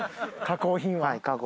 加工品は。